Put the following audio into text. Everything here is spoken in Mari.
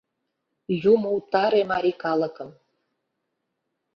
Юмо утаре марий калыкым!